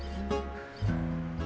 kalau saya mah takut bos